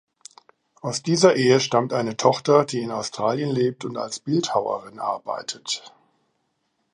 Aus dieser Ehe stammt eine Tochter, die in Australien lebt und als Bildhauerin arbeitet.